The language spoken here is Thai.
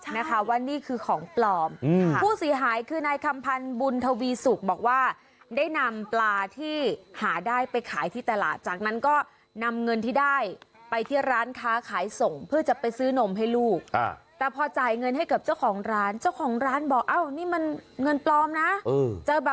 มาสองสามใบแล้วเฮ้ยไม่ใช่ครั้งแรกไม่ใช่แล้วเจอกันเยอะอืมนะ